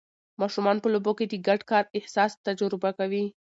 ماشومان په لوبو کې د ګډ کار احساس تجربه کوي.